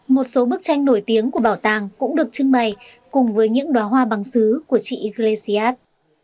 một số bức tranh nổi tiếng của bảo tàng cũng được trưng bày cùng với những đoá hoa bằng xứ của chị iglesias